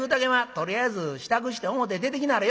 とりあえず支度して表出てきなはれ。